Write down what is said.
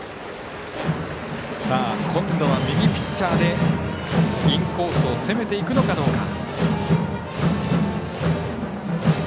今度は、右ピッチャーでインコースを攻めていくのかどうか。